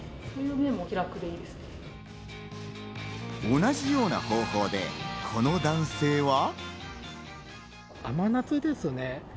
同じような方法でこの男性は。